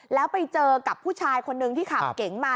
แล้วไปเจอกับผู้ชายคนนึงที่ขับเก๋งมา